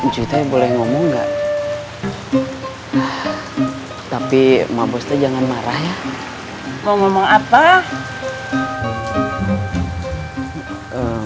jutnya boleh ngomong nggak tapi ma bos jangan marah ngomong apa gimana kalo tanggal pernikahan cuy di undur satu hari yang